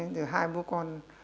thì hai bố con